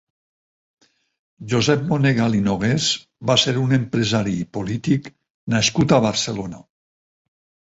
Josep Monegal i Nogués va ser un empresari i polític nascut a Barcelona.